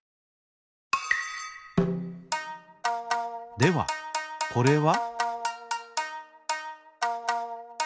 ではこれは？